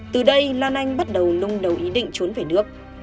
từ đây lan anh bắt đầu lung đầu ý định trốn về nước